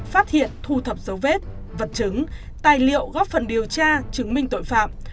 phát hiện thu thập dấu vết vật chứng tài liệu góp phần điều tra chứng minh tội phạm